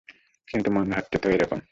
কিন্তু মনে হচ্ছে তো এই রকম।